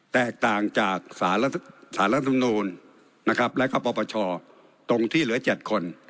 แตกต่างจากสารสำนูญนะครับและก็ปปชตรงที่เหลือเจ็ดคน